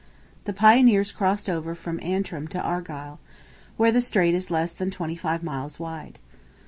The pioneers crossed over from Antrim to Argyle, where the strait is less than twenty five miles wide.